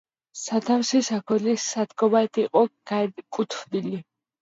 სათავსი საქონლის სადგომად იყო განკუთვნილი.